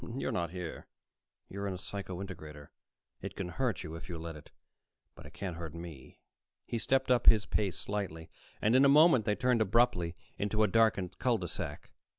"You're not here. You're in a psycho integrator. It can hurt you, if you let it. But it can't hurt me." He stepped up his pace slightly, and in a moment they turned abruptly into a darkened cul de sac.